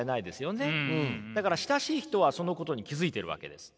だから親しい人はそのことに気付いてるわけです。